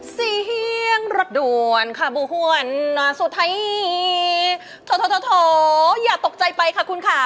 สีเหี้ยงรัดดวนค่ะบูหวนสุดท้ายโถโถโถโถอย่าตกใจไปค่ะคุณค่ะ